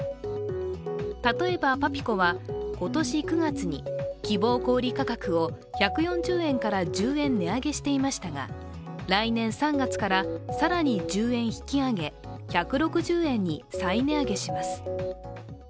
例えばパピコは今年９月に希望小売価格を１４０円から１０円値上げしていましたが来年３月から更に１０円引き上げ１６０円に再値上げします。